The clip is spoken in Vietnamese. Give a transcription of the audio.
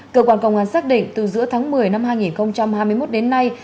cơ quan công an xác định từ giữa tháng một mươi năm hai nghìn hai mươi một đến nay